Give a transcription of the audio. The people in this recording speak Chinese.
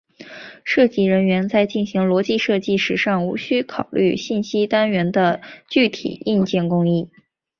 设计人员在进行逻辑设计时尚无需考虑信息单元的具体硬件工艺。